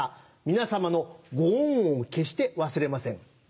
皆様のゴオンを決して忘れません。